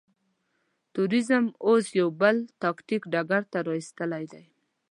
تروريزم اوس يو بل تاکتيک ډګر ته را اېستلی دی.